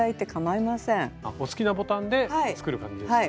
お好きなボタンで作る感じですね。